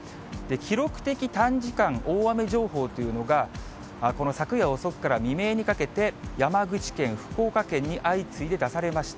記録的短時間大雨情報というのが、この昨夜遅くから未明にかけて、山口県、福岡県に相次いで出されました。